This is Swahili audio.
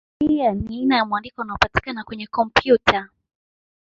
Pia ni aina ya mwandiko unaopatikana kwenye kompyuta.